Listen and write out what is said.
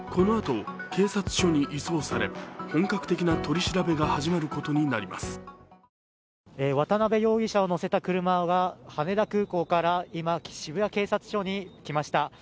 このあと、警察署に移送され、本格的な取り調べが始まることにな渡辺容疑者を乗せた車が羽田空港から今、渋谷警察署に来ました。